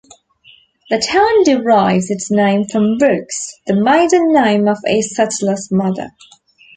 The town derives its name from Brooks, the maiden name of a settler's mother.